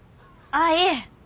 ああいえ。